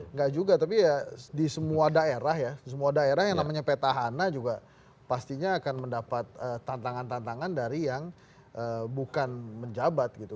nggak juga tapi ya di semua daerah ya semua daerah yang namanya petahana juga pastinya akan mendapat tantangan tantangan dari yang bukan menjabat gitu